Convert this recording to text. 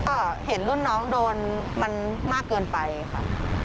ก็เห็นรุ่นน้องโดนมันมากเกินไปค่ะ